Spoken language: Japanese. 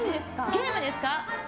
ゲームですか。